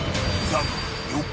［だが］